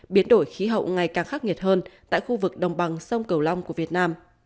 biến đổi khí hậu ngày càng khắc nghiệt hơn tại khu vực đồng bằng sông cửu long của việt nam